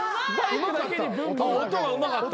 音はうまかった。